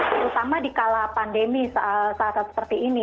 terutama di kala pandemi saat saat seperti ini